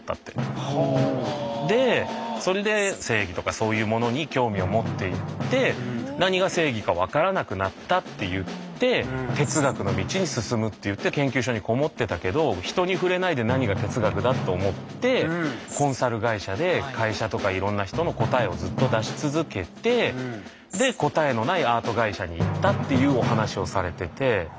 でそれで正義とかそういうものに興味を持っていって何が正義か分からなくなったっていって哲学の道に進むっていって研究所にこもってたけど人に触れないで何が哲学だと思ってコンサル会社で会社とかいろんな人の答えをずっと出し続けて答えのないアート会社に行ったっていうお話をされてて。